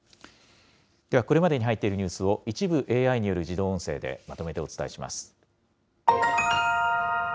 では、これまでに入っているニュースを、一部ＡＩによる自動音声でまとめてお伝えします。